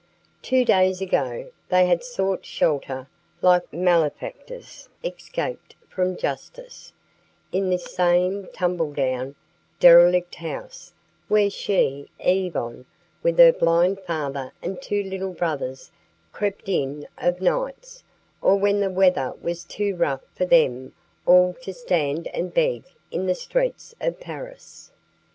Two days ago they had sought shelter like malefactors escaped from justice in this same tumbledown, derelict house where she, Yvonne, with her blind father and two little brothers, crept in of nights, or when the weather was too rough for them all to stand and beg in the streets of Paris.